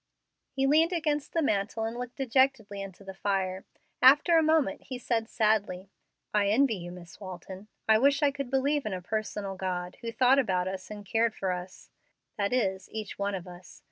He leaned against the mantel and looked dejectedly into the fire. After a moment he said, sadly, "I envy you, Miss Walton. I wish I could believe in a personal God who thought about us and cared for us that is, each one of us.